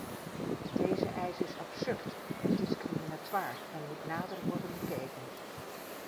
Deze eis is absurd en discriminatoir en moet nader worden bekeken.